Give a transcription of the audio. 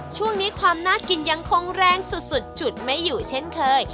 ช่วงนี้ความน่ากินยังคงแรงสุดจุดไม่อยู่เช่นเคย